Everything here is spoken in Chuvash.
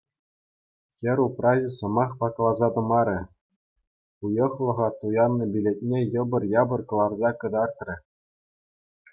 Хӗр упраҫӗ сӑмах вакласа тӑмарӗ — уйӑхлӑха туяннӑ билетне йӑпӑр-япӑр кӑларса кӑтартрӗ.